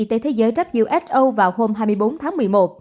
tổ chức y tế thế giới who vào hôm hai mươi bốn tháng một mươi một